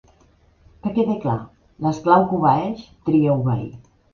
Que quede clar: l'esclau que obeeix tria obeir.